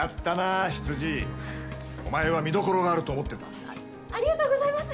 お前は見どころがあると思っあっありがとうございます。